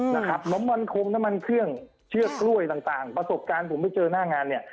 หนมมันคมน้ำมันเครื่องเชือกกล้วยต่างต่างประสบการณ์ผมไปเจอหน้างานเนี่ย